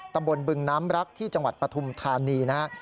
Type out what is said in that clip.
บึงน้ำรักที่จังหวัดปฐุมธานีนะครับ